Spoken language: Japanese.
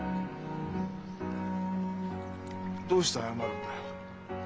どうして謝るんだよ？